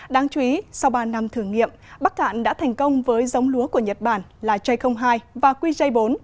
đáng chú ý sau ba năm thử nghiệm bắc cạn đã thành công với giống lúa của nhật bản là j hai và qj bốn